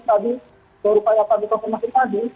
sebenarnya rupaya pak bikofon masih tadi